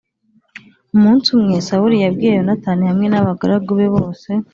Umunsi umwe Sawuli yabwiye Yonatani hamwe n abagaragu be bose